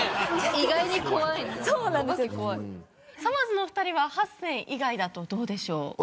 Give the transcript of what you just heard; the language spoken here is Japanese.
さまぁずのお二人は８選以外だとどうでしょう？